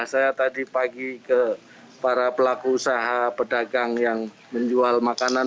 saya tadi pagi ke para pelaku usaha pedagang yang menjual makanan